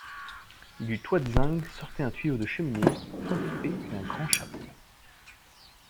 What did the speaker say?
Du toit de zinc sortait un tuyau de cheminée coiffe d'un grand chapeau.